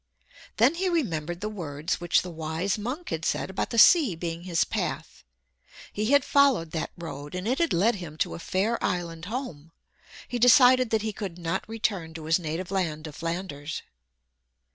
Then he remembered the words which the wise monk had said about the sea being his path. He had followed that road and it had led him to a fair island home. He decided that he could not return to his native land of Flanders.